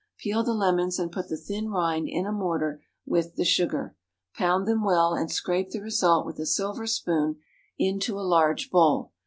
Peel the lemons, and put the thin rind in a mortar, with the sugar. Pound them well, and scrape the result with a silver spoon into a large bowl.